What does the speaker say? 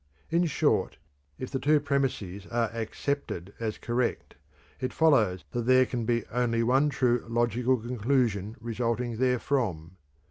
In short, if the two premises are accepted as correct, it follows that there can be only one true logical conclusion resulting therefrom.